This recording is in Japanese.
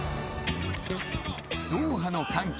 ドーハの歓喜